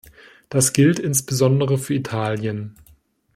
Das gilt insbesondere für Italien.